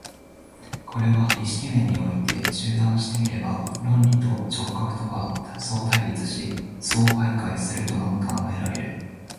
これを意識面において中断して見れば、論理と直覚とが相対立し相媒介するとのみ考えられる。